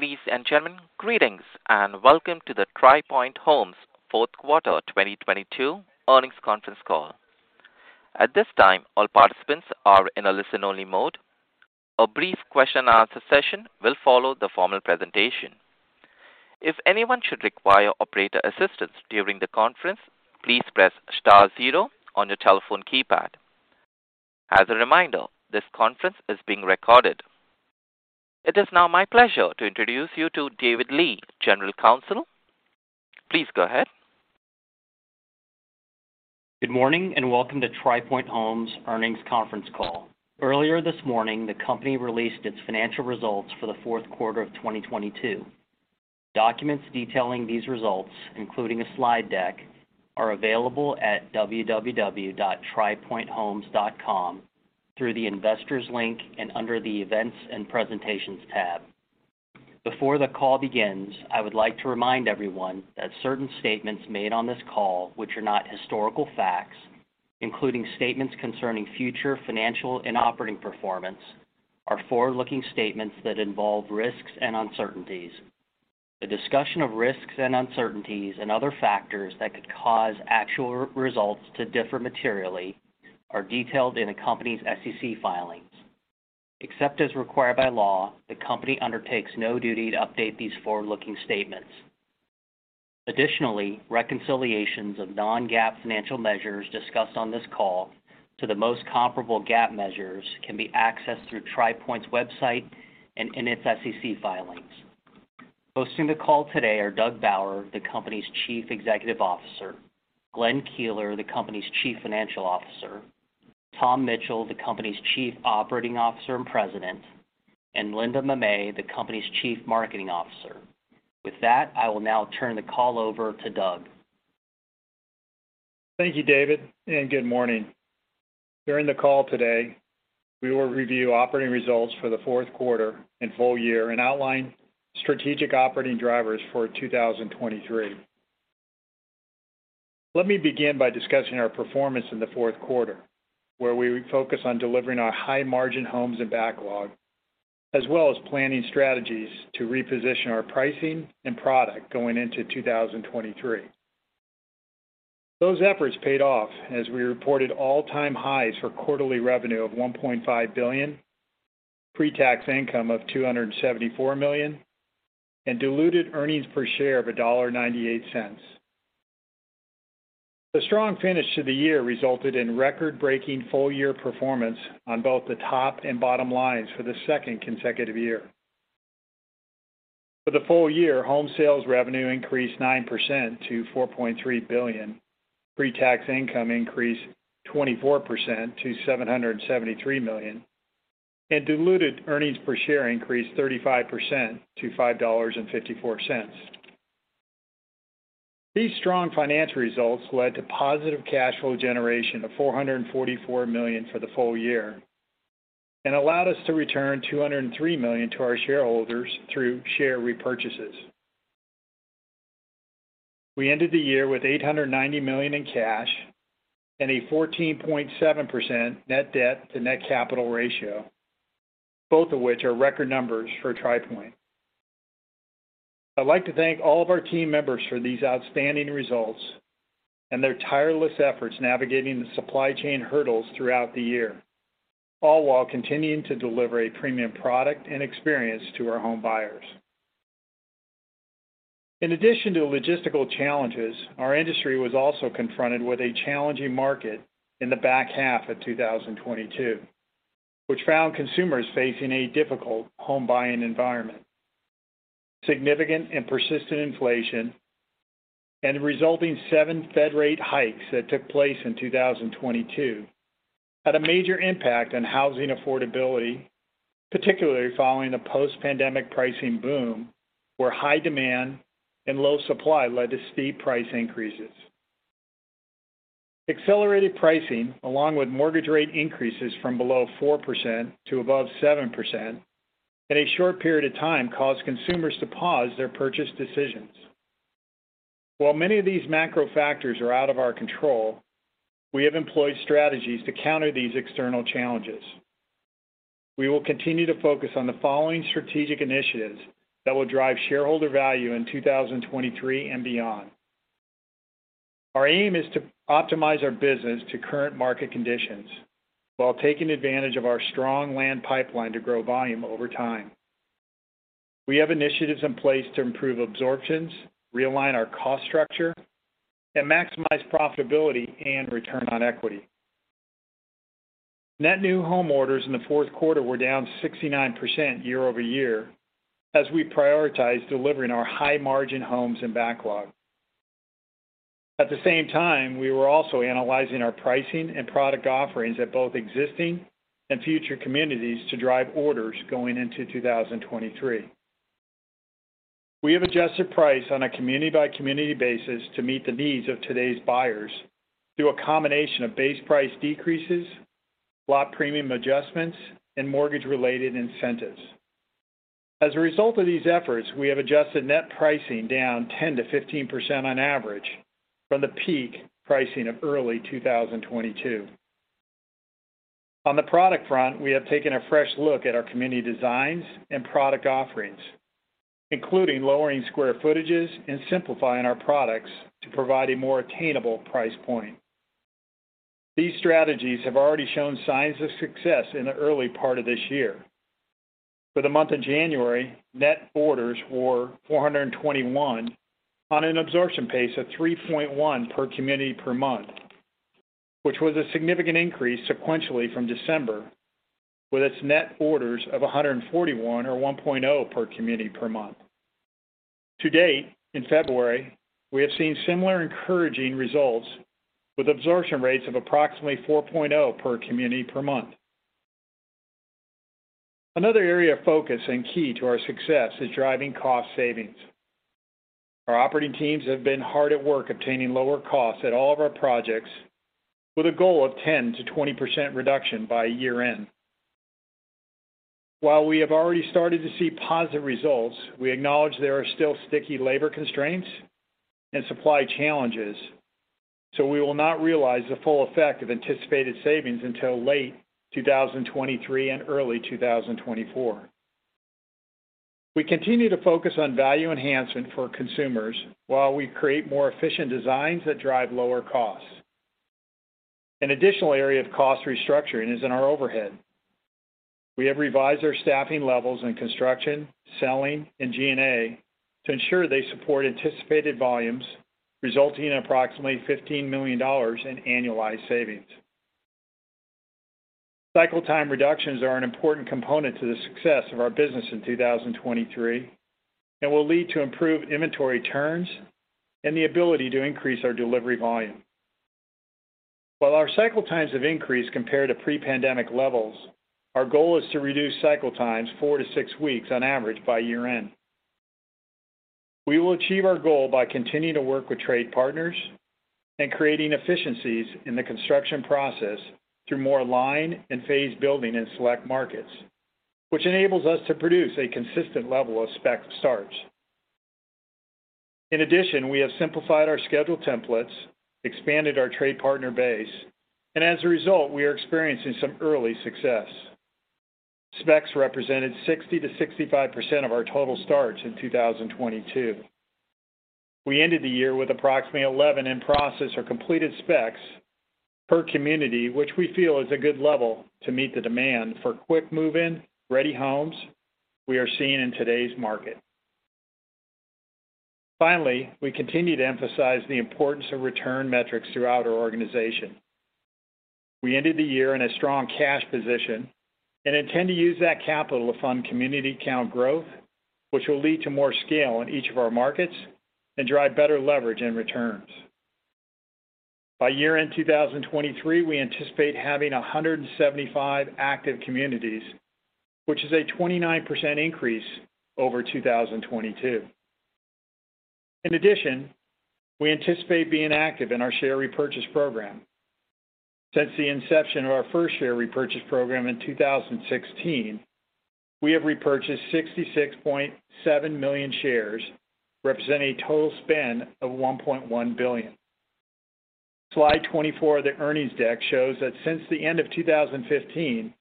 Ladies and gentlemen, greetings and welcome to the Tri Pointe Homes fourth quarter 2022 earnings conference call. At this time, all participants are in a listen-only mode. A brief question and answer session will follow the formal presentation. If anyone should require operator assistance during the conference, please press star zero on your telephone keypad. As a reminder, this conference is being recorded. It is now my pleasure to introduce you to David Lee, General Counsel. Please go ahead. Good morning and welcome to Tri Pointe Homes earnings conference call. Earlier this morning, the company released its financial results for the fourth quarter of 2022. Documents detailing these results, including a slide deck, are available at www.tripointehomes.com through the Investors link and under the Events and Presentations tab. Before the call begins, I would like to remind everyone that certain statements made on this call which are not historical facts, including statements concerning future financial and operating performance, are forward-looking statements that involve risks and uncertainties. A discussion of risks and uncertainties and other factors that could cause actual results to differ materially are detailed in the company's SEC filings. Except as required by law, the company undertakes no duty to update these forward-looking statements. Additionally, reconciliations of non-GAAP financial measures discussed on this call to the most comparable GAAP measures can be accessed through Tri Pointe's website and in its SEC filings. Hosting the call today are Doug Bauer, the company's Chief Executive Officer, Glenn Keeler, the company's Chief Financial Officer, Tom Mitchell, the company's Chief Operating Officer and President, and Linda Mamet, the company's Chief Marketing Officer. With that, I will now turn the call over to Doug. Thank you, David. Good morning. During the call today, we will review operating results for the fourth quarter and full-year and outline strategic operating drivers for 2023. Let me begin by discussing our performance in the fourth quarter, where we focus on delivering our high-margin homes and backlog, as well as planning strategies to reposition our pricing and product going into 2023. Those efforts paid off as we reported all-time highs for quarterly revenue of $1.5 billion, pre-tax income of $274 million, and diluted earnings per share of $1.98. The strong finish to the year resulted in record-breaking full-year performance on both the top and bottom lines for the second consecutive year. For the full-year, home sales revenue increased 9% to $4.3 billion, pre-tax income increased 24% to $773 million, diluted earnings per share increased 35% to $5.54. These strong financial results led to positive cash flow generation of $444 million for the full-year and allowed us to return $203 million to our shareholders through share repurchases. We ended the year with $890 million in cash and a 14.7% net debt to net capital ratio, both of which are record numbers for Tri Pointe. I'd like to thank all of our team members for these outstanding results and their tireless efforts navigating the supply chain hurdles throughout the year, all while continuing to deliver a premium product and experience to our home buyers. In addition to logistical challenges, our industry was also confronted with a challenging market in the back half of 2022, which found consumers facing a difficult home buying environment. Significant and persistent inflation and the resulting 7 Fed rate hikes that took place in 2022 had a major impact on housing affordability, particularly following the post-pandemic pricing boom, where high demand and low supply led to steep price increases. Accelerated pricing, along with mortgage rate increases from below 4% to above 7% in a short period of time caused consumers to pause their purchase decisions. While many of these macro factors are out of our control, we have employed strategies to counter these external challenges. We will continue to focus on the following strategic initiatives that will drive shareholder value in 2023 and beyond. Our aim is to optimize our business to current market conditions while taking advantage of our strong land pipeline to grow volume over time. We have initiatives in place to improve absorptions, realign our cost structure, and maximize profitability and return on equity. Net new home orders in the fourth quarter were down 69% year-over-year as we prioritize delivering our high-margin homes and backlog. At the same time, we were also analyzing our pricing and product offerings at both existing and future communities to drive orders going into 2023. We have adjusted price on a community-by-community basis to meet the needs of today's buyers through a combination of base price decreases, lot premium adjustments, and mortgage-related incentives. As a result of these efforts, we have adjusted net pricing down 10%-15% on average from the peak pricing of early 2022. On the product front, we have taken a fresh look at our community designs and product offerings, including lowering square footages and simplifying our products to provide a more attainable price point. These strategies have already shown signs of success in the early part of this year. For the month of January, net orders were 421 on an absorption pace of 3.1 per community per month, which was a significant increase sequentially from December, with its net orders of 141 or 1.0 per community per month. To date, in February, we have seen similar encouraging results with absorption rates of approximately 4.0 per community per month. Another area of focus and key to our success is driving cost savings. Our operating teams have been hard at work obtaining lower costs at all of our projects with a goal of 10%-20% reduction by year-end. While we have already started to see positive results, we acknowledge there are still sticky labor constraints and supply challenges, we will not realize the full effect of anticipated savings until late 2023 and early 2024. We continue to focus on value enhancement for consumers while we create more efficient designs that drive lower costs. An additional area of cost restructuring is in our overhead. We have revised our staffing levels in construction, selling, and G&A to ensure they support anticipated volumes, resulting in approximately $15 million in annualized savings. Cycle time reductions are an important component to the success of our business in 2023 and will lead to improved inventory turns and the ability to increase our delivery volume. While our cycle times have increased compared to pre-pandemic levels, our goal is to reduce cycle times 4 weeks-6 weeks on average by year-end. We will achieve our goal by continuing to work with trade partners and creating efficiencies in the construction process through more line and phase building in select markets, which enables us to produce a consistent level of spec starts. In addition, we have simplified our schedule templates, expanded our trade partner base, and as a result, we are experiencing some early success. Specs represented 60%-65% of our total starts in 2022. We ended the year with approximately 11 in process or completed specs per community, which we feel is a good level to meet the demand for quick move-in, ready homes we are seeing in today's market. We continue to emphasize the importance of return metrics throughout our organization. We ended the year in a strong cash position and intend to use that capital to fund community count growth, which will lead to more scale in each of our markets and drive better leverage and returns. By year-end 2023, we anticipate having 175 active communities, which is a 29% increase over 2022. We anticipate being active in our share repurchase program. Since the inception of our first share repurchase program in 2016, we have repurchased 66.7 million shares, representing a total spend of $1.1 billion. Slide 24 of the earnings deck shows that since the end of 2015,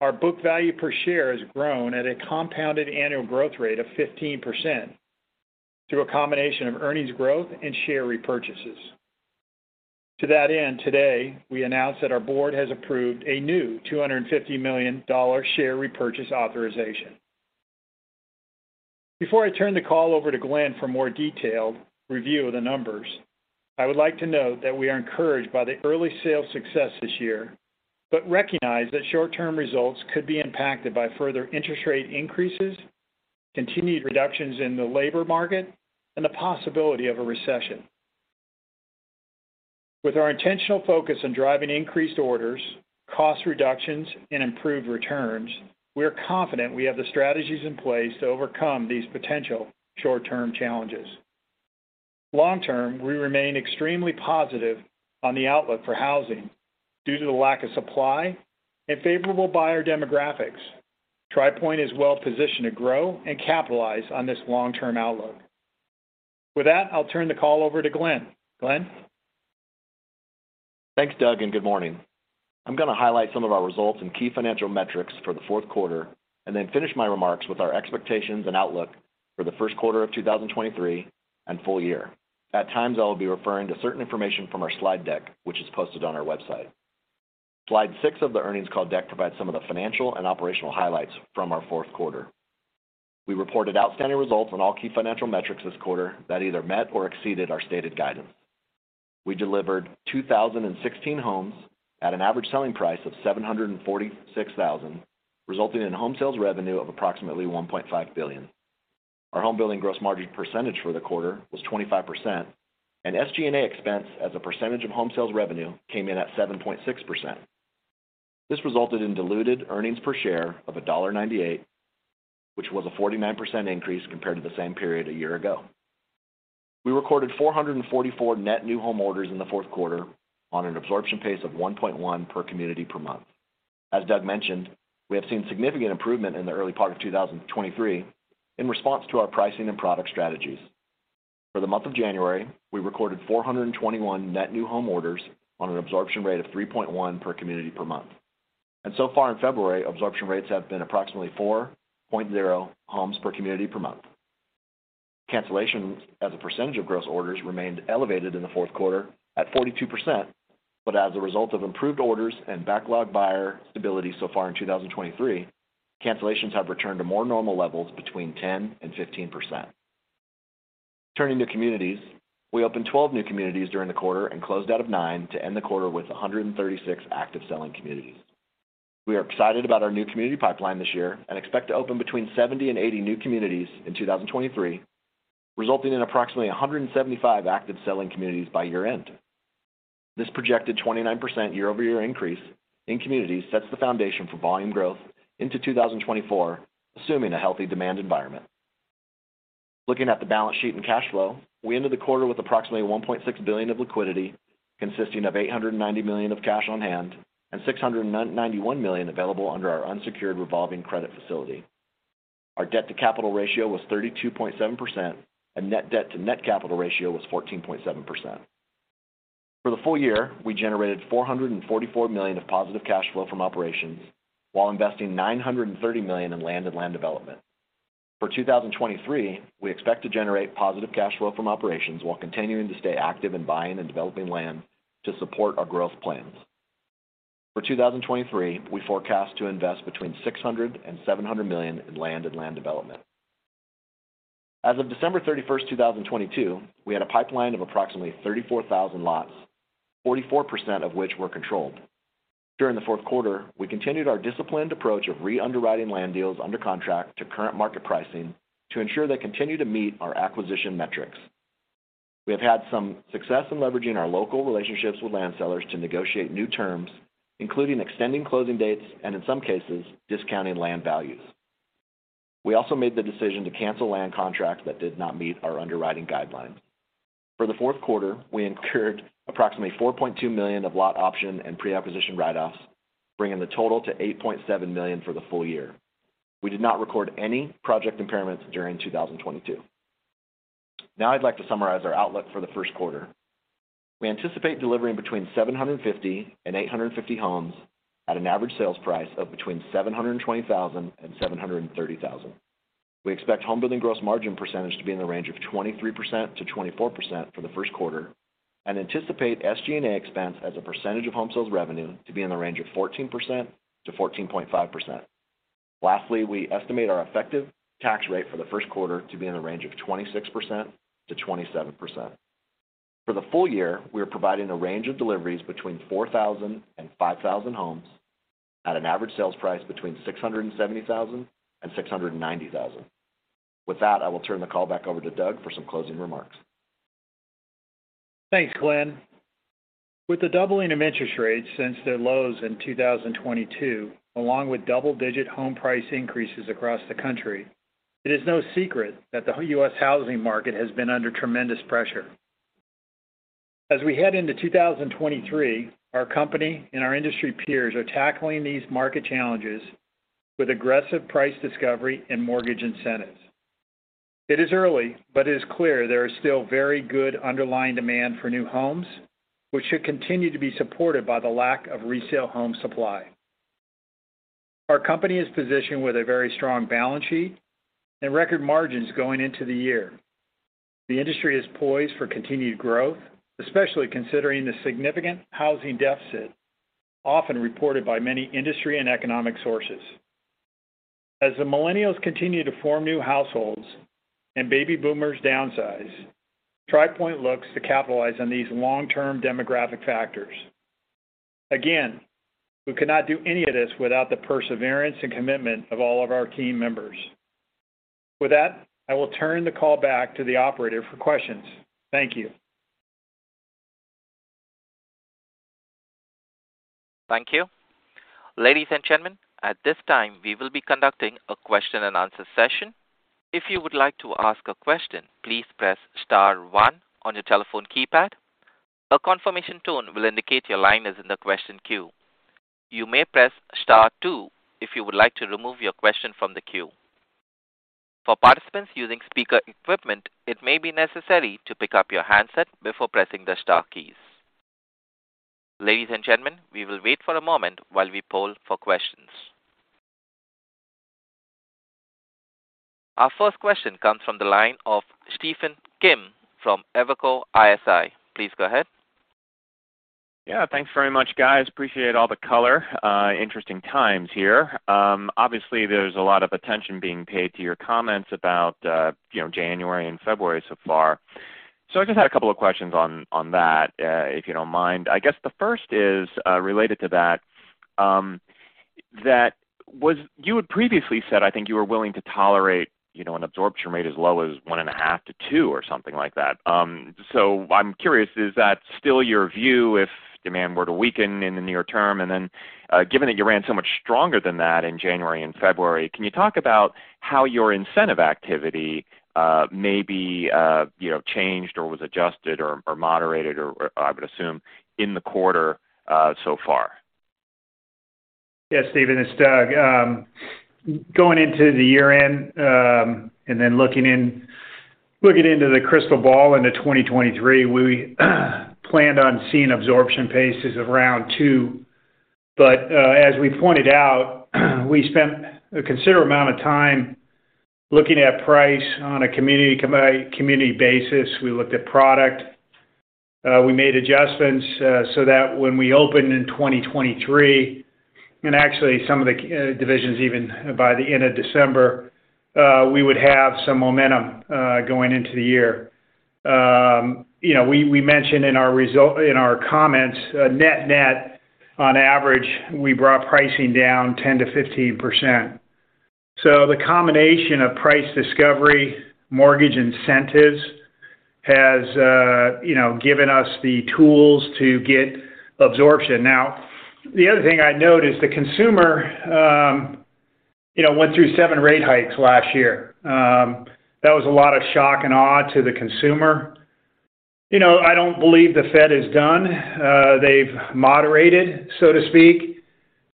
our book value per share has grown at a compounded annual growth rate of 15% through a combination of earnings growth and share repurchases. To that end, today, we announced that our board has approved a new $250 million share repurchase authorization. Before I turn the call over to Glenn for more detailed review of the numbers, I would like to note that we are encouraged by the early sales success this year, but recognize that short-term results could be impacted by further interest rate increases, continued reductions in the labor market, and the possibility of a recession. With our intentional focus on driving increased orders, cost reductions, and improved returns, we are confident we have the strategies in place to overcome these potential short-term challenges. Long term, we remain extremely positive on the outlook for housing due to the lack of supply and favorable buyer demographics. Tri Pointe is well positioned to grow and capitalize on this long-term outlook. With that, I'll turn the call over to Glenn. Glenn? Thanks, Doug, good morning. I'm going to highlight some of our results and key financial metrics for the fourth quarter and then finish my remarks with our expectations and outlook for the first quarter of 2023 and full-year. At times, I'll be referring to certain information from our slide deck, which is posted on our website. Slide 6 of the earnings call deck provides some of the financial and operational highlights from our fourth quarter. We reported outstanding results on all key financial metrics this quarter that either met or exceeded our stated guidance. We delivered 2,016 homes at an average selling price of $746,000, resulting in home sales revenue of approximately $1.5 billion. Our home building gross margin percentage for the quarter was 25%, SG&A expense as a percentage of home sales revenue came in at 7.6%. This resulted in diluted earnings per share of $1.98, which was a 49% increase compared to the same period a year ago. We recorded 444 net new home orders in the fourth quarter on an absorption pace of 1.1 per community per month. As Doug mentioned, we have seen significant improvement in the early part of 2023 in response to our pricing and product strategies. For the month of January, we recorded 421 net new home orders on an absorption rate of 3.1 per community per month. So far in February, absorption rates have been approximately 4.0 homes per community per month. Cancellations as a percentage of gross orders remained elevated in the fourth quarter at 42%. As a result of improved orders and backlog buyer stability so far in 2023, cancellations have returned to more normal levels between 10% and 15%. Turning to communities. We opened 12 new communities during the quarter and closed out of 9 to end the quarter with 136 active selling communities. We are excited about our new community pipeline this year and expect to open between 70 and 80 new communities in 2023, resulting in approximately 175 active selling communities by year-end. This projected 29% year-over-year increase in communities sets the foundation for volume growth into 2024, assuming a healthy demand environment. Looking at the balance sheet and cash flow, we ended the quarter with approximately $1.6 billion of liquidity, consisting of $890 million of cash on hand and $691 million available under our unsecured revolving credit facility. Our debt-to-capital ratio was 32.7%, and net debt to net capital ratio was 14.7%. For the full-year, we generated $444 million of positive cash flow from operations while investing $930 million in land and land development. For 2023, we expect to generate positive cash flow from operations while continuing to stay active in buying and developing land to support our growth plans. For 2023, we forecast to invest between $600 million-$700 million in land and land development. As of December 31st 2022, we had a pipeline of approximately 34,000 lots, 44% of which were controlled. During the fourth quarter, we continued our disciplined approach of re-underwriting land deals under contract to current market pricing to ensure they continue to meet our acquisition metrics. We have had some success in leveraging our local relationships with land sellers to negotiate new terms, including extending closing dates and in some cases, discounting land values. We also made the decision to cancel land contracts that did not meet our underwriting guidelines. For the fourth quarter, we incurred approximately $4.2 million of lot option and pre-acquisition write-offs, bringing the total to $8.7 million for the full-year. We did not record any project impairments during 2022. I'd like to summarize our outlook for the first quarter. We anticipate delivering between 750 and 850 homes at an average sales price of between $720,000 and $730,000. We expect homebuilding gross margin percentage to be in the range of 23%-24% for the first quarter and anticipate SG&A expense as a percentage of home sales revenue to be in the range of 14%-14.5%. Lastly, we estimate our effective tax rate for the first quarter to be in the range of 26%-27%. For the full-year, we are providing a range of deliveries between 4,000 and 5,000 homes at an average sales price between $670,000 and $690,000. With that, I will turn the call back over to Doug for some closing remarks. Thanks, Glenn. With the doubling of interest rates since their lows in 2022, along with double-digit home price increases across the country, it is no secret that the U.S. housing market has been under tremendous pressure. As we head into 2023, our company and our industry peers are tackling these market challenges with aggressive price discovery and mortgage incentives. It is early, but it is clear there is still very good underlying demand for new homes, which should continue to be supported by the lack of resale home supply. Our company is positioned with a very strong balance sheet and record margins going into the year. The industry is poised for continued growth, especially considering the significant housing deficit often reported by many industry and economic sources. As the millennials continue to form new households and baby boomers downsize, Tri Pointe looks to capitalize on these long-term demographic factors. We cannot do any of this without the perseverance and commitment of all of our team members. With that, I will turn the call back to the operator for questions. Thank you. Thank you. Ladies and gentlemen, at this time, we will be conducting a question-and-answer session. If you would like to ask a question, please press star one on your telephone keypad. A confirmation tone will indicate your line is in the question queue. You may press star two if you would like to remove your question from the queue. For participants using speaker equipment, it may be necessary to pick up your handset before pressing the star keys. Ladies and gentlemen, we will wait for a moment while we poll for questions. Our first question comes from the line of Stephen Kim from Evercore ISI. Please go ahead. Yeah. Thanks very much, guys. Appreciate all the color. Interesting times here. Obviously, there's a lot of attention being paid to your comments about, you know, January and February so far. I just had a couple of questions on that, if you don't mind. I guess the first is, related to that you had previously said, I think, you were willing to tolerate, you know, an absorption rate as low as 1.5-2 or something like that. I'm curious, is that still your view if demand were to weaken in the near term? Then, given that you ran so much stronger than that in January and February, can you talk about how your incentive activity, maybe, you know, changed or was adjusted or moderated or I would assume, in the quarter, so far? Yes, Stephen, it's Doug. Going into the year-end, looking into the crystal ball into 2023, we planned on seeing absorption paces of around two. As we pointed out, we spent a considerable amount of time looking at price on a community basis. We looked at product. We made adjustments so that when we open in 2023, actually some of the divisions even by the end of December, we would have some momentum going into the year. You know, we mentioned in our comments, net-net, on average, we brought pricing down 10%-15%. The combination of price discovery, mortgage incentives has, you know, given us the tools to get absorption. The other thing I'd note is the consumer, you know, went through seven rate hikes last year. That was a lot of shock and awe to the consumer. You know, I don't believe the Fed is done. They've moderated, so to speak,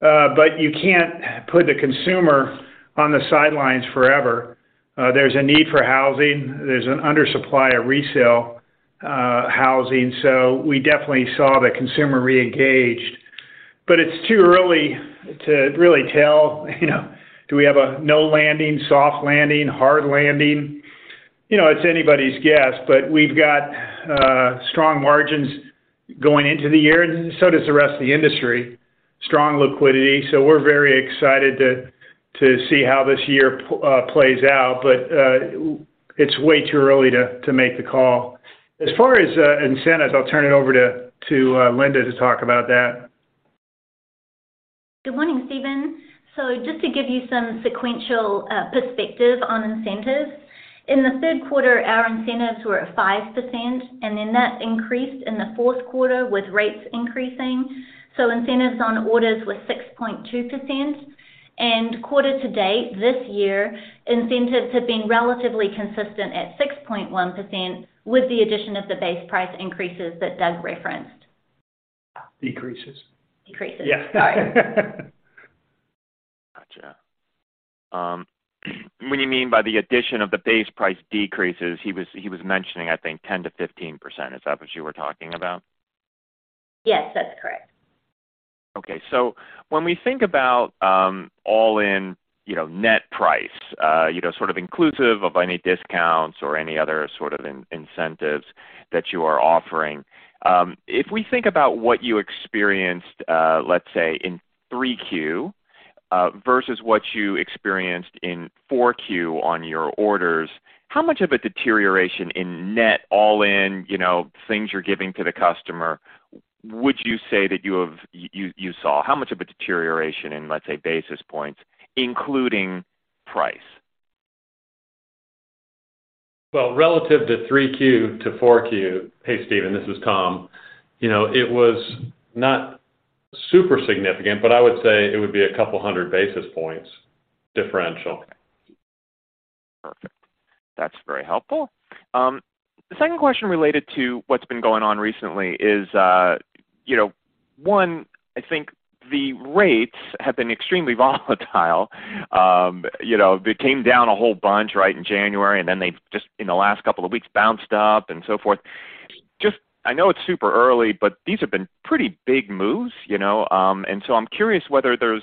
but you can't put the consumer on the sidelines forever. There's a need for housing. There's an under supply of resale housing. We definitely saw the consumer re-engaged. It's too early to really tell, you know, do we have a no landing, soft landing, hard landing? You know, it's anybody's guess, but we've got strong margins going into the year, and so does the rest of the industry. Strong liquidity. We're very excited to see how this year plays out. It's way too early to make the call. As far as incentives, I'll turn it over to Linda to talk about that. Good morning, Stephen. Just to give you some sequential perspective on incentives. In the third quarter, our incentives were at 5%, and then that increased in the fourth quarter with rates increasing. Incentives on orders were 6.2%. Quarter-to-date, this year, incentives have been relatively consistent at 6.1% with the addition of the base price increases that Doug referenced. Decreases. Decreases. Yeah. Sorry. Gotcha. What do you mean by the addition of the base price decreases? He was mentioning, I think, 10%-15%. Is that what you were talking about? Yes, that's correct. Okay. When we think about, all in, you know, net price, you know, sort of inclusive of any discounts or any other sort of incentives that you are offering, if we think about what you experienced, let's say in 3Q, versus what you experienced in 4Q on your orders, how much of a deterioration in net all in, you know, things you're giving to the customer, would you say that you have, you saw? How much of a deterioration in, let's say, basis points, including price? Well, relative to 3Q to 4Q. Hey, Stephen, this is Tom. You know, it was not super significant, but I would say it would be a couple hundred basis points differential. Perfect. That's very helpful. The second question related to what's been going on recently is, you know, one, I think the rates have been extremely volatile. You know, they came down a whole bunch, right, in January, and then they've just in the last couple of weeks bounced up and so forth. Just, I know it's super early, but these have been pretty big moves, you know. I'm curious whether there's,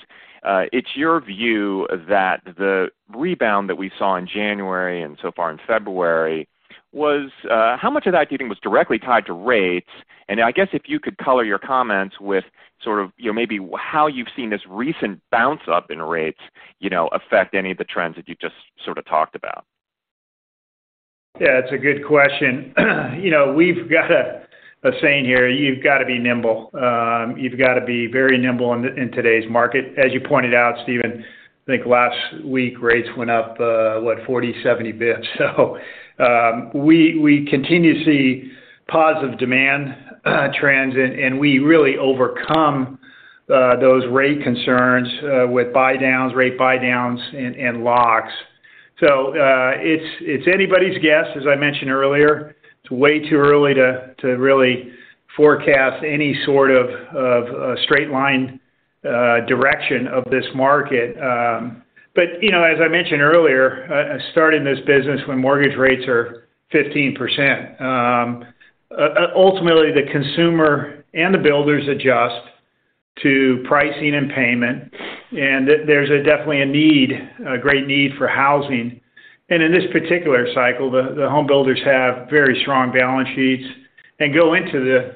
it's your view that the rebound that we saw in January and so far in February was. How much of that do you think was directly tied to rates? And I guess if you could color your comments with sort of, you know, maybe how you've seen this recent bounce up in rates, you know, affect any of the trends that you just sort of talked about. Yeah, it's a good question. You know, we've got a saying here, "You've gotta be nimble." You've gotta be very nimble in today's market. As you pointed out, Stephen, I think last week, rates went up, what? 40, 70 bits. We continue to see positive demand trends, and we really overcome those rate concerns with buydowns, rate buydowns and locks. It's anybody's guess, as I mentioned earlier. It's way too early to really forecast any sort of straight line direction of this market. You know, as I mentioned earlier, I started in this business when mortgage rates are 15%. Ultimately, the consumer and the builders adjust to pricing and payment, and there's definitely a need, a great need for housing. In this particular cycle, the home builders have very strong balance sheets and go into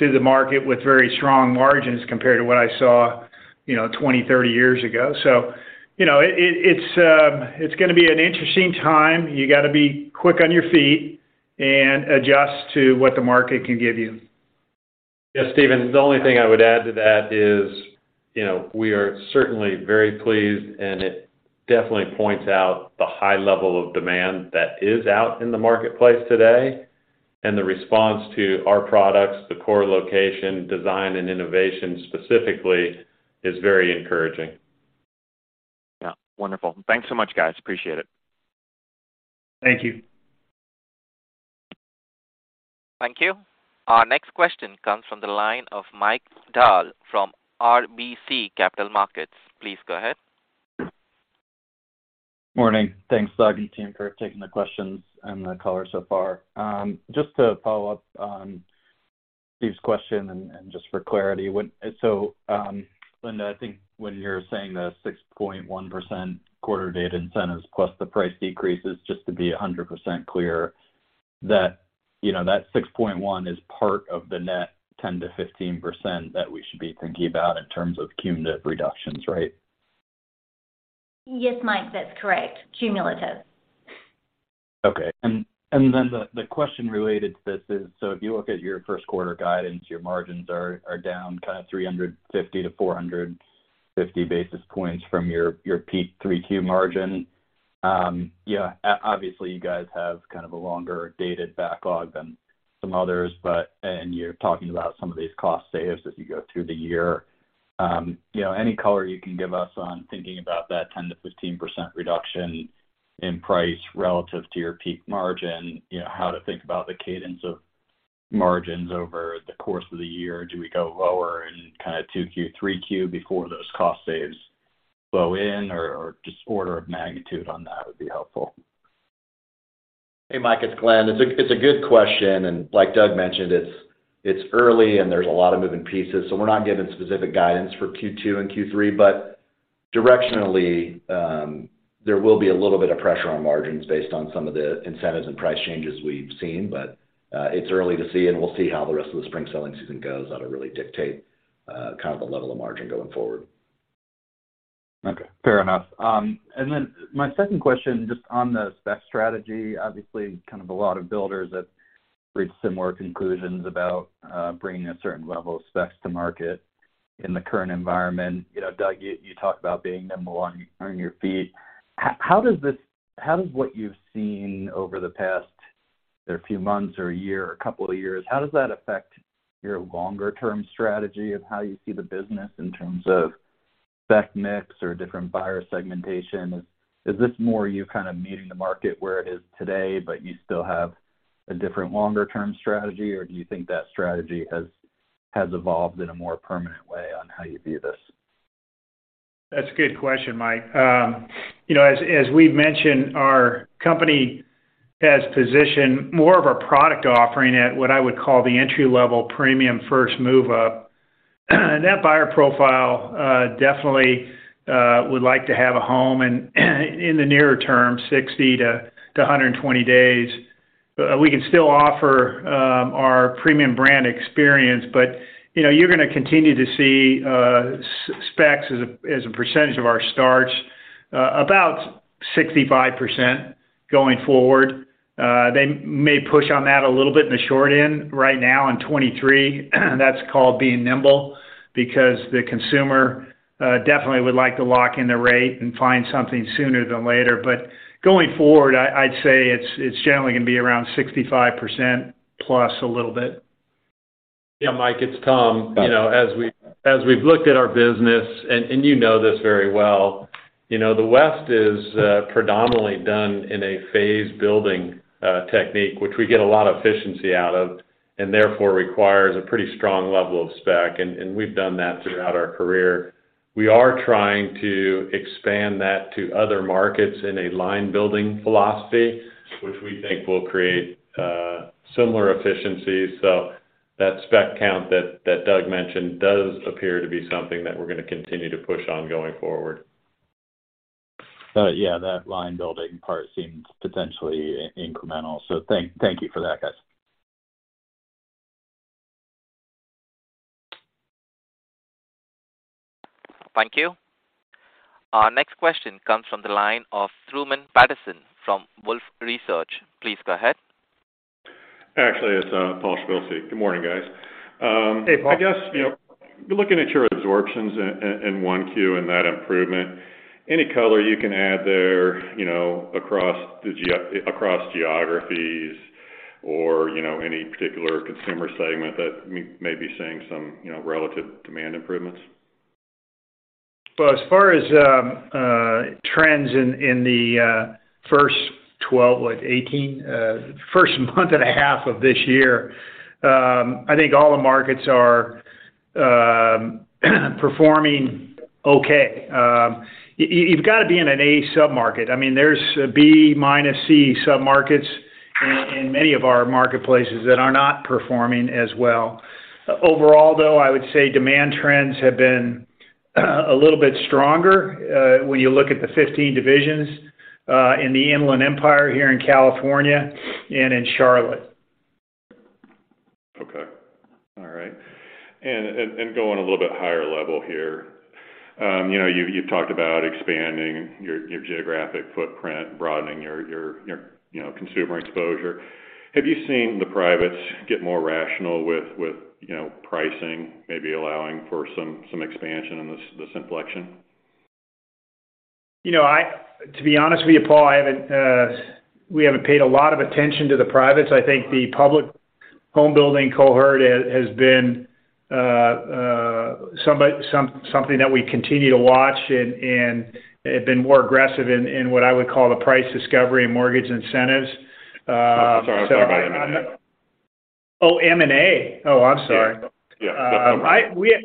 the market with very strong margins compared to what I saw, you know, 20, 30 years ago. You know, it's gonna be an interesting time. You gotta be quick on your feet and adjust to what the market can give you. Yeah, Stephen, the only thing I would add to that is, you know, we are certainly very pleased, and it definitely points out the high level of demand that is out in the marketplace today. The response to our products, the core location, design, and innovation specifically is very encouraging. Yeah. Wonderful. Thanks so much, guys. Appreciate it. Thank you. Thank you. Our next question comes from the line of Mike Dahl from RBC Capital Markets. Please go ahead. Morning. Thanks, Doug and team, for taking the questions and the color so far. Just to follow up on Steve's question and just for clarity. Linda, I think when you're saying the 6.1% quarter date incentives plus the price decreases, just to be 100% clear that, you know, that 6.1% is part of the net 10%-15% that we should be thinking about in terms of cumulative reductions, right? Yes, Mike, that's correct. Cumulative. Okay. The question related to this is, if you look at your first quarter guidance, your margins are down kind of 350 basis points-450 basis points from your peak 3Q margin. Obviously, you guys have kind of a longer dated backlog than some others, but you're talking about some of these cost saves as you go through the year. You know, any color you can give us on thinking about that 10%-15% reduction in price relative to your peak margin, you know, how to think about the cadence of margins over the course of the year. Do we go lower in kind of 2Q, 3Q before those cost saves flow in or just order of magnitude on that would be helpful. Hey, Mike Dahl, it's Glenn J. Keeler. It's a good question, like Doug Bauer mentioned, it's early and there's a lot of moving pieces, we're not giving specific guidance for Q2 and Q3. Directionally, there will be a little bit of pressure on margins based on some of the incentives and price changes we've seen. It's early to see, we'll see how the rest of the spring selling season goes. That'll really dictate kind of the level of margin going forward. Okay, fair enough. My second question just on the spec strategy. Obviously, kind of a lot of builders have reached similar conclusions about bringing a certain level of specs to market in the current environment. You know, Doug, you talked about being nimble on your feet. How does what you've seen over the past, a few months or a year, a couple of years, how does that affect your longer term strategy of how you see the business in terms of spec mix or different buyer segmentation? Is this more you kind of meeting the market where it is today, but you still have a different longer term strategy, or do you think that strategy has evolved in a more permanent way on how you view this? That's a good question, Mike. you know, as we've mentioned, our company has positioned more of our product offering at what I would call the entry-level premium first move up. That buyer profile definitely would like to have a home in the nearer term, 60-120 days. We can still offer our premium brand experience, but, you know, you're gonna continue to see specs as a percentage of our starts about 65% going forward. They may push on that a little bit in the short end right now in 2023. That's called being nimble because the consumer definitely would like to lock in the rate and find something sooner than later. Going forward, I'd say it's generally gonna be around 65%+ a little bit. Yeah, Mike, it's Tom. Yeah. You know, as we've looked at our business, and you know this very well, you know, the West is predominantly done in a phase building technique, which we get a lot of efficiency out of, and therefore requires a pretty strong level of spec. We've done that throughout our career. We are trying to expand that to other markets in a line building philosophy, which we think will create similar efficiencies. That spec count that Doug mentioned does appear to be something that we're gonna continue to push on going forward. Yeah, that line-building part seems potentially incremental. Thank you for that, guys. Thank you. Our next question comes from the line of Truman Patterson from Wolfe Research. Please go ahead. Actually, it's Paul Schulte. Good morning, guys. Hey, Paul. I guess, you know, looking at your absorptions in 1Q and that improvement, any color you can add there, you know, across geographies or, you know, any particular consumer segment that may be seeing some, you know, relative demand improvements? As far as trends in the first month and a half of this year, I think all the markets are performing okay. You've got to be in an A sub-market. I mean, there's B minus C sub-markets in many of our marketplaces that are not performing as well. Overall, though, I would say demand trends have been a little bit stronger when you look at the 15 divisions in the Inland Empire here in California and in Charlotte. Okay. All right. Going a little bit higher level here. You know, you've talked about expanding your geographic footprint, broadening your, you know, consumer exposure. Have you seen the privates get more rational with, you know, pricing, maybe allowing for some expansion in this inflection? You know, to be honest with you, Paul, I haven't, we haven't paid a lot of attention to the privates. I think the public home building cohort has been. something that we continue to watch and have been more aggressive in what I would call the price discovery and mortgage incentives. Sorry, I'm talking about M&A. Oh, M&A? Oh, I'm sorry. Yeah.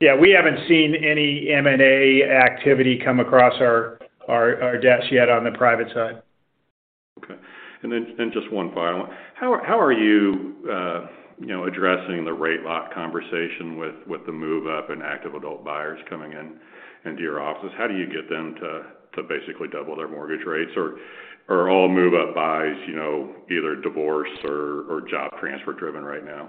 Yeah, we haven't seen any M&A activity come across our desks yet on the private side. Just one final one. How are you know, addressing the rate lock conversation with the move-up and active adult buyers coming into your offices? How do you get them to basically double their mortgage rates? All move-up buys, you know, either divorce or job transfer driven right now?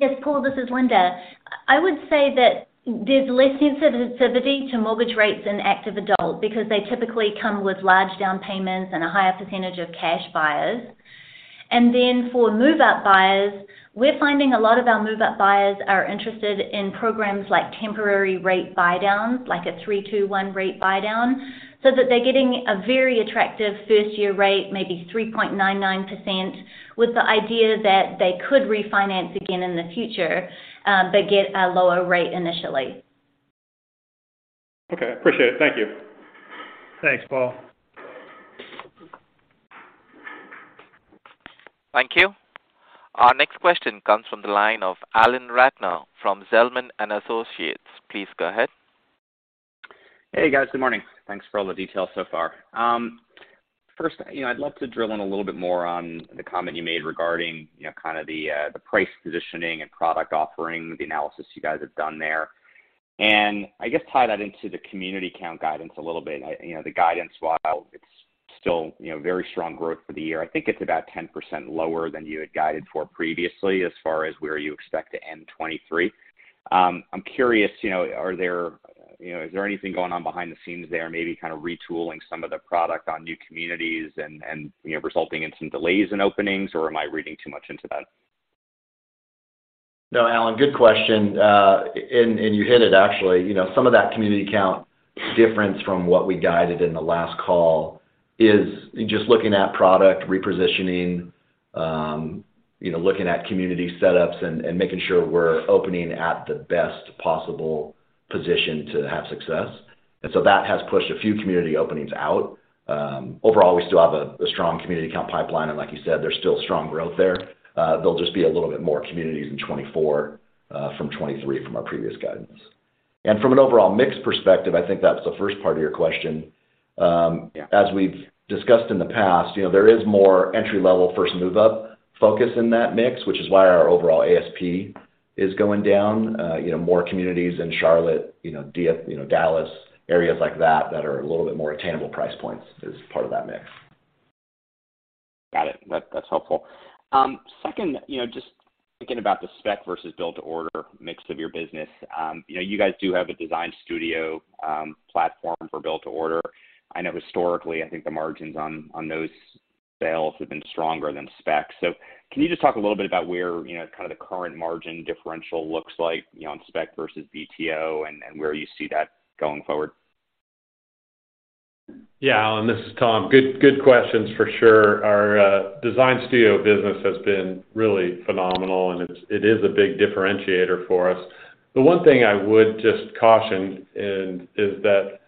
Yes, Paul, this is Linda. I would say that there's less sensitivity to mortgage rates in active adult because they typically come with large down payments and a higher percentage of cash buyers. For move-up buyers, we're finding a lot of our move-up buyers are interested in programs like temporary rate buydowns, like a 3-2-1 rate buydown, so that they're getting a very attractive first-year rate, maybe 3.99%, with the idea that they could refinance again in the future, but get a lower rate initially. Okay, appreciate it. Thank you. Thanks, Paul. Thank you. Our next question comes from the line of Alan Ratner from Zelman & Associates. Please go ahead. Hey, guys. Good morning. Thanks for all the details so far. First, you know, I'd love to drill in a little bit more on the comment you made regarding, you know, kind of the price positioning and product offering, the analysis you guys have done there. I guess tie that into the community count guidance a little bit. You know, the guidance, while it's still, you know, very strong growth for the year, I think it's about 10% lower than you had guided for previously as far as where you expect to end 2023. I'm curious, you know, are there, is there anything going on behind the scenes there, maybe kind of retooling some of the product on new communities and, you know, resulting in some delays in openings, or am I reading too much into that? No, Alan, good question. You hit it actually. You know, some of that community count difference from what we guided in the last call is just looking at product repositioning, you know, looking at community setups and making sure we're opening at the best possible position to have success. That has pushed a few community openings out. Overall, we still have a strong community count pipeline, and like you said, there's still strong growth there. There'll just be a little bit more communities in 2024, from 2023 from our previous guidance. From an overall mix perspective, I think that's the first part of your question. Yeah. As we've discussed in the past, you know, there is more entry-level first move-up focus in that mix, which is why our overall ASP is going down. You know, more communities in Charlotte, you know, Dallas, areas like that are a little bit more attainable price points is part of that mix. Got it. That's helpful. Second, you know, just thinking about the spec versus build to order mix of your business. You know, you guys do have a design studio platform for build to order. I know historically, I think the margins on those sales have been stronger than spec. Can you just talk a little bit about where, you know, kind of the current margin differential looks like, you know, on spec versus BTO and where you see that going forward? Yeah, Alan, this is Tom. Good, good questions for sure. Our design studio business has been really phenomenal, and it is a big differentiator for us. The one thing I would just caution and, is that,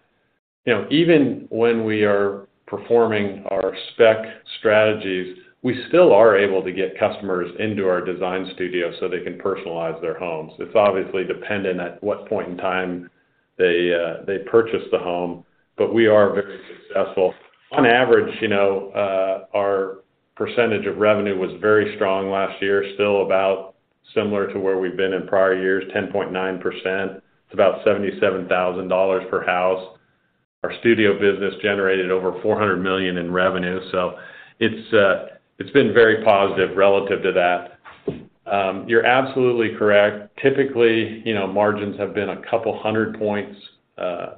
you know, even when we are performing our spec strategies, we still are able to get customers into our design studio so they can personalize their homes. It's obviously dependent at what point in time they purchase the home, but we are very successful. On average, you know, our percentage of revenue was very strong last year, still about similar to where we've been in prior-years, 10.9%. It's about $77,000 per house. Our studio business generated over $400 million in revenue. It's been very positive relative to that. You're absolutely correct. Typically, you know, margins have been a couple hundred points,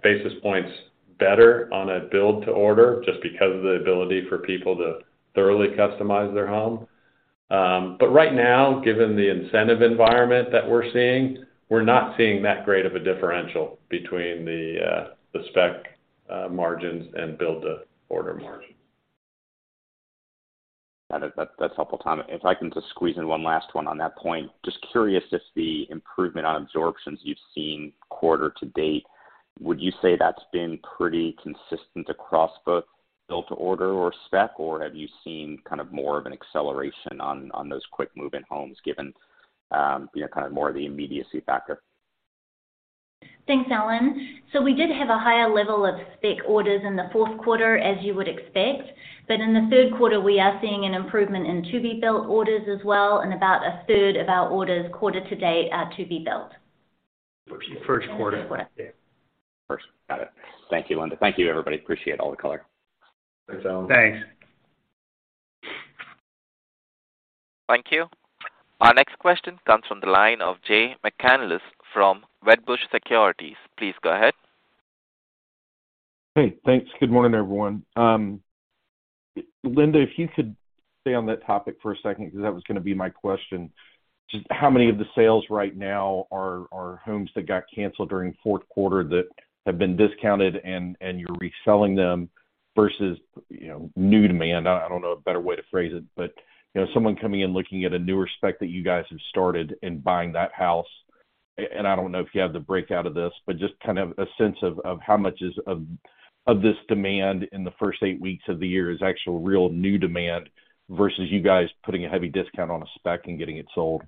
basis points better on a build to order just because of the ability for people to thoroughly customize their home. Right now, given the incentive environment that we're seeing, we're not seeing that great of a differential between the spec margins and build to order margins. Got it. That's helpful, Tom. If I can just squeeze in 1 last 1 on that point. Just curious if the improvement on absorptions you've seen quarter-to-date, would you say that's been pretty consistent across both build to order or spec, or have you seen kind of more of an acceleration on those quick move-in homes given, you know, kind of more of the immediacy factor? Thanks, Alan. We did have a higher level of spec orders in the 4th quarter, as you would expect. In the 3rd quarter, we are seeing an improvement in to-be-built orders as well, and about a third of our orders quarter-to-date are to-be-built. First quarter. First. Got it. Thank you, Linda. Thank you, everybody. Appreciate all the color. Thanks, Alan. Thanks. Thank you. Our next question comes from the line of Jay McCanless from Wedbush Securities. Please go ahead. Hey, thanks. Good morning, everyone. Linda, if you could stay on that topic for a second because that was gonna be my question. Just how many of the sales right now are homes that got canceled during fourth quarter that have been discounted and you're reselling them? Versus, you know, new demand. I don't know a better way to phrase it, but, you know, someone coming in looking at a newer spec that you guys have started and buying that house. I don't know if you have the breakout of this, but just kind of a sense of how much is of this demand in the first eight weeks of the year is actual real new demand versus you guys putting a heavy discount on a spec and getting it sold.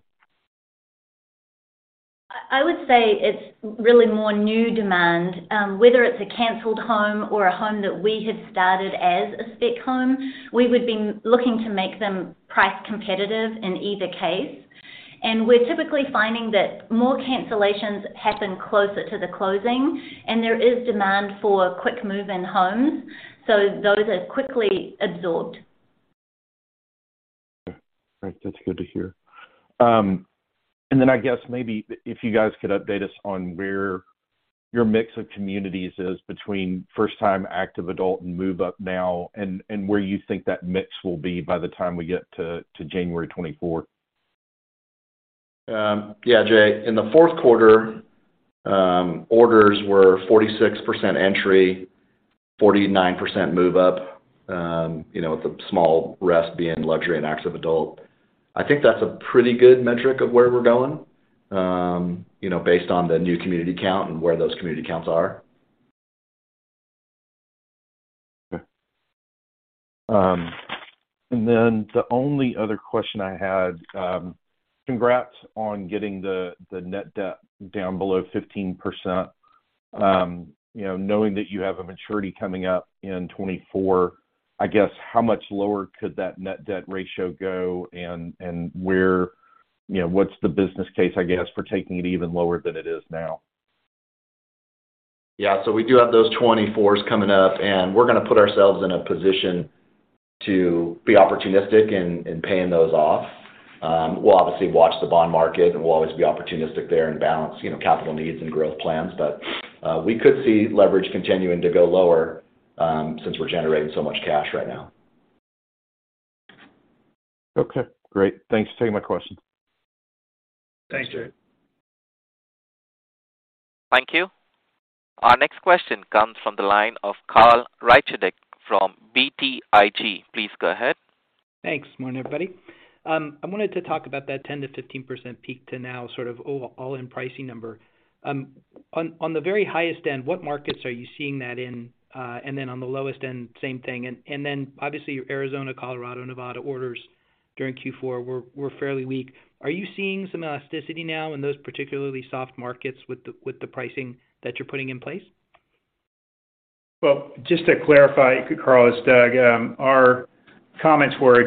I would say it's really more new demand. Whether it's a canceled home or a home that we have started as a spec home, we would be looking to make them price competitive in either case. We're typically finding that more cancellations happen closer to the closing, and there is demand for quick move-in homes, so those are quickly absorbed. Okay. That's good to hear. Then I guess maybe if you guys could update us on where your mix of communities is between first time active adult and move-up now and where you think that mix will be by the time we get to January twenty-fourth? Yeah, Jay. In the fourth quarter, orders were 46% entry, 49% move-up, you know, with the small rest being luxury and active adult. I think that's a pretty good metric of where we're going, you know, based on the new community count and where those community counts are. The only other question I had, congrats on getting the net debt down below 15%. You know, knowing that you have a maturity coming up in 2024, I guess how much lower could that net debt ratio go and where? You know, what's the business case, I guess, for taking it even lower than it is now? Yeah. We do have those 2024s coming up, and we're gonna put ourselves in a position to be opportunistic in paying those off. We'll obviously watch the bond market, and we'll always be opportunistic there and balance, you know, capital needs and growth plans. We could see leverage continuing to go lower, since we're generating so much cash right now. Okay, great. Thanks for taking my question. Thanks, Jay. Thanks. Thank you. Our next question comes from the line of Carl Reichardt from BTIG. Please go ahead. Thanks. Morning, everybody. I wanted to talk about that 10%-15% peak to now sort of all-in pricing number. On the very highest end, what markets are you seeing that in? Then on the lowest end, same thing. Then obviously your Arizona, Colorado, Nevada orders during Q4 were fairly weak. Are you seeing some elasticity now in those particularly soft markets with the pricing that you're putting in place? Well, just to clarify, Carl, it's Doug. Our comments were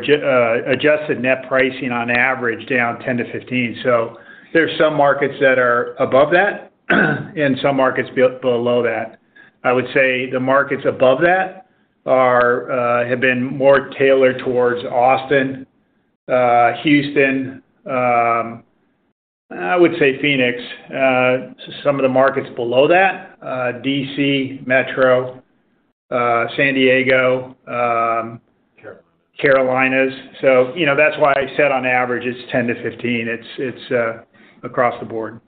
adjusted net pricing on average down 10%-15%. There are some markets that are above that and some markets below that. I would say the markets above that are, have been more tailored towards Austin, Houston, I would say Phoenix. Some of the markets below that, D.C. Metro, San Diego. Carolina ... Carolinas. You know, that's why I said on average it's 10-15. It's across the board.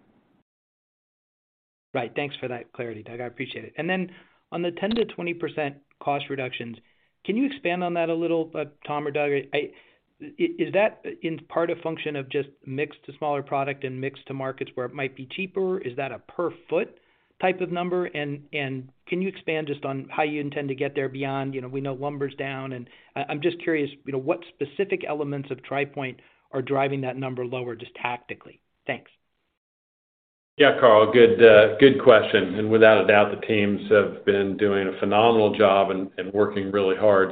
Right. Thanks for that clarity, Doug. I appreciate it. On the 10%-20% cost reductions, can you expand on that a little, Tom or Doug? Is that in part a function of just mix to smaller product and mix to markets where it might be cheaper? Is that a per foot type of number? Can you expand just on how you intend to get there beyond, you know, we know lumber's down and... I'm just curious, you know, what specific elements of Tri Pointe are driving that number lower just tactically? Thanks. Yeah, Carl, good question. Without a doubt, the teams have been doing a phenomenal job and working really hard.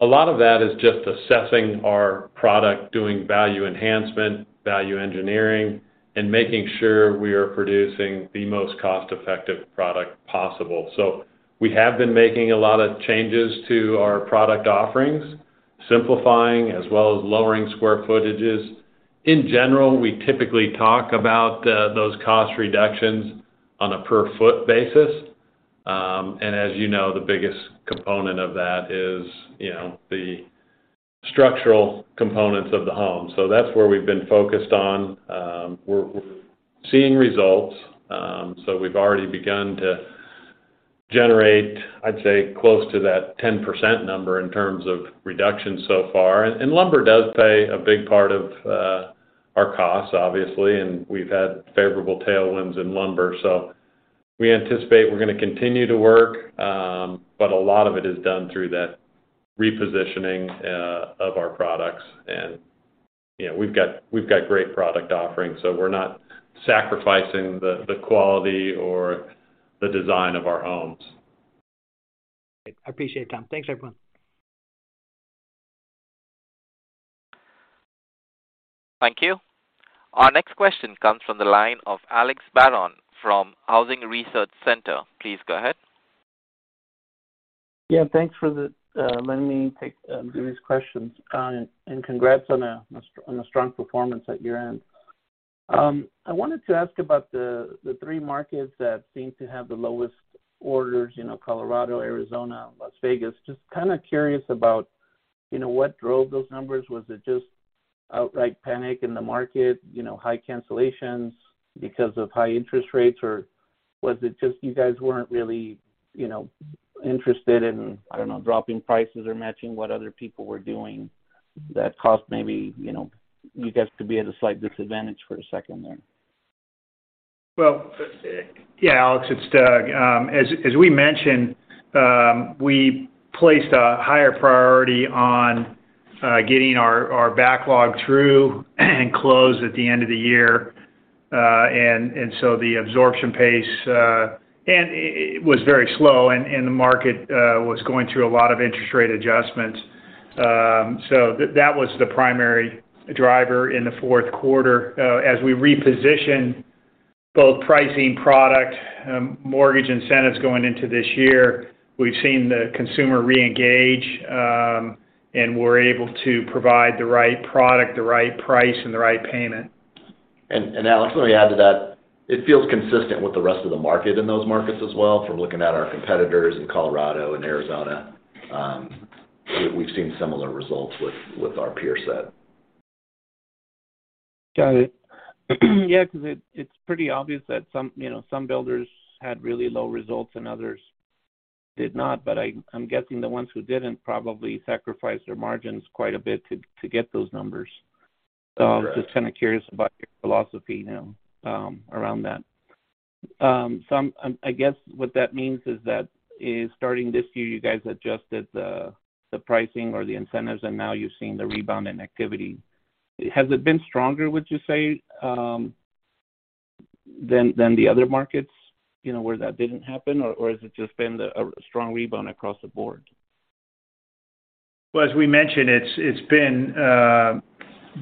A lot of that is just assessing our product, doing value enhancement, value engineering, and making sure we are producing the most cost-effective product possible. We have been making a lot of changes to our product offerings, simplifying as well as lowering square footages. In general, we typically talk about those cost reductions on a per foot basis. And as you know, the biggest component of that is, you know, the structural components of the home. That's where we've been focused on. We're seeing results. We've already begun to generate, I'd say, close to that 10% number in terms of reduction so far. Lumber does play a big part of our costs, obviously, and we've had favorable tailwinds in lumber. We anticipate we're gonna continue to work, but a lot of it is done through that repositioning of our products. You know, we've got great product offerings, so we're not sacrificing the quality or the design of our homes. Great. I appreciate it, Tom. Thanks, everyone. Thank you. Our next question comes from the line of Alex Barrón from Housing Research Center. Please go ahead. Yeah, thanks for the letting me take do these questions. Congrats on a strong performance at your end. I wanted to ask about the three markets that seem to have the lowest orders, you know, Colorado, Arizona, Las Vegas. Just kind of curious about. You know, what drove those numbers? Was it just outright panic in the market, you know, high cancellations because of high interest rates? Or was it just you guys weren't really, you know, interested in, I don't know, dropping prices or matching what other people were doing that caused maybe, you know, you guys could be at a slight disadvantage for a second there? Well, yeah, Alex, it's Doug. As we mentioned, we placed a higher priority on getting our backlog through and closed at the end of the year. The absorption pace. It was very slow and the market was going through a lot of interest rate adjustments. That was the primary driver in the fourth quarter. As we reposition both pricing product, mortgage incentives going into this year, we've seen the consumer reengage, and we're able to provide the right product, the right price and the right payment. Alex, let me add to that. It feels consistent with the rest of the market in those markets as well. If we're looking at our competitors in Colorado and Arizona, we've seen similar results with our peer set. Got it. Yeah, 'cause it's pretty obvious that some, you know, some builders had really low results and others did not. I'm guessing the ones who didn't probably sacrificed their margins quite a bit to get those numbers. Correct. I'm just kind of curious about your philosophy, you know, around that. I guess what that means is that, starting this year, you guys adjusted the pricing or the incentives, and now you're seeing the rebound in activity. Has it been stronger, would you say, than the other markets, you know, where that didn't happen? Has it just been the strong rebound across the board? Well, as we mentioned, it's been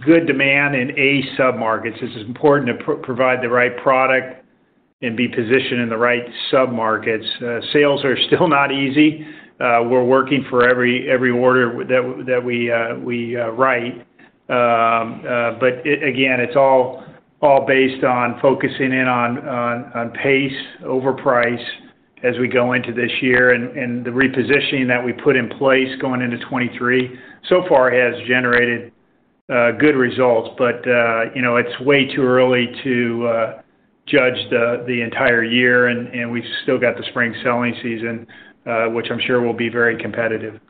good demand in A sub-markets. It's important to provide the right product and be positioned in the right sub-markets. Sales are still not easy. We're working for every order that we write. Again, it's all based on focusing on pace over price as we go into this year. And the repositioning that we put in place going into 2023 so far has generated good results. You know, it's way too early to judge the entire year, and we've still got the spring selling season, which I'm sure will be very competitive.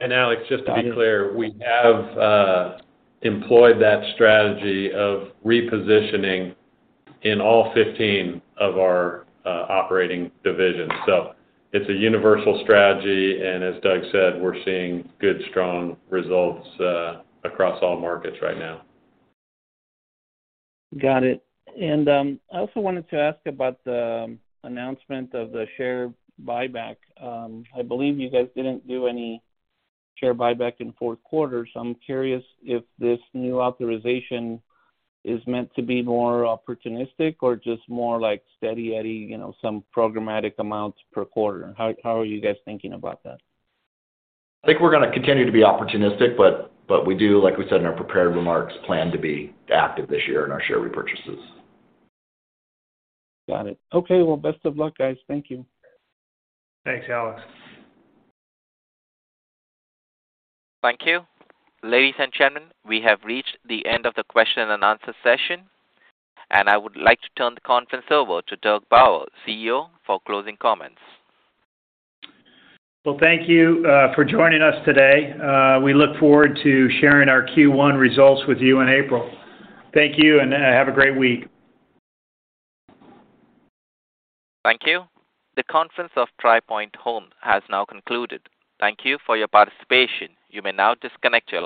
Alex, just to be clear, we have employed that strategy of repositioning in all 15 of our operating divisions. It's a universal strategy, and as Doug said, we're seeing good, strong results across all markets right now. Got it. I also wanted to ask about the announcement of the share buyback. I believe you guys didn't do any share buyback in fourth quarter. I'm curious if this new authorization is meant to be more opportunistic or just more like steady eddy, you know, some programmatic amounts per quarter. How are you guys thinking about that? I think we're gonna continue to be opportunistic, but we do, like we said in our prepared remarks, plan to be active this year in our share repurchases. Got it. Okay, well, best of luck, guys. Thank you. Thanks, Alex. Thank you. Ladies and gentlemen, we have reached the end of the question and answer session, and I would like to turn the conference over to Doug Bauer, CEO, for closing comments. Well, thank you, for joining us today. We look forward to sharing our Q1 results with you in April. Thank you, and, have a great week. Thank you. The conference of Tri Pointe Homes has now concluded. Thank you for your participation. You may now disconnect your lines.